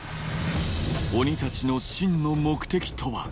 鬼たちの真の目的とは？